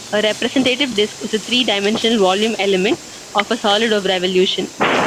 A representative disk is a three-dimensional volume element of a solid of revolution.